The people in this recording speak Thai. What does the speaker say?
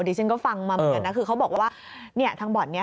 ดิฉันก็ฟังมาเหมือนกันนะคือเขาบอกว่าเนี่ยทางบ่อนนี้